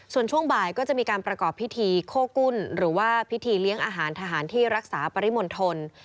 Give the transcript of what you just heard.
ส่วนช่วงบ่ายก็จะมีการประกอบพิธีโคกุ้นหรือว่าพิธีเลี้ยงอาหารทหารที่รักษาปริมณฑล